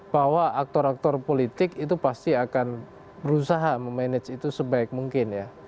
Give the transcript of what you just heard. bahwa aktor aktor politik itu pasti akan berusaha memanage itu sebaik mungkin ya